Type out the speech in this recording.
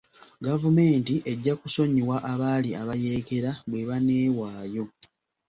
Gavumenti ejja kusonyiwa abaali abayekera bwe baneewaayo.